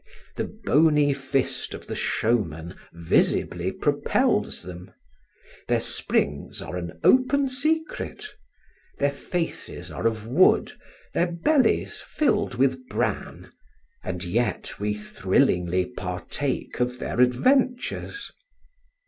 The bony fist of the showman visibly propels them; their springs are an open secret; their faces are of wood, their bellies filled with bran; and yet we thrillingly partake of their adventures.